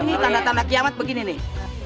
ini tanda tanda kiamat begini nih